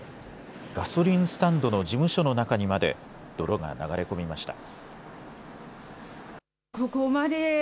ガソリンスタンドの事務所の中にまで泥が流れ込みました。